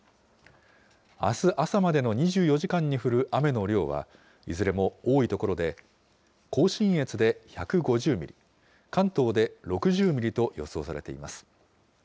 あす朝までの２４時間に降る雨の量は、いずれも多い所で、甲信越で１５０ミリ、関東で６０ミリと予想されています。